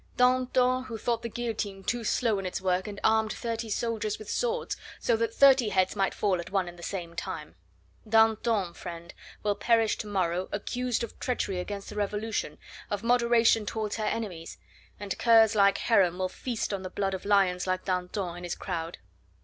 Danton, who thought the guillotine too slow in its work, and armed thirty soldiers with swords, so that thirty heads might fall at one and the same time. Danton, friend, will perish to morrow accused of treachery against the Revolution, of moderation towards her enemies; and curs like Heron will feast on the blood of lions like Danton and his crowd."